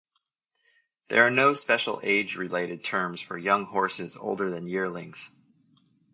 There are no special age-related terms for young horses older than yearlings.